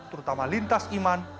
terutama lintas iman